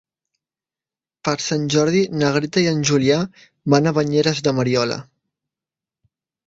Per Sant Jordi na Greta i en Julià van a Banyeres de Mariola.